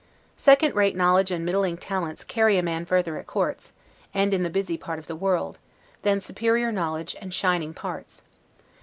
Second rate knowledge and middling talents carry a man further at courts, and in the busy part of the world, than superior knowledge and shining parts.